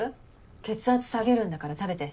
血圧下げるんだから食べて。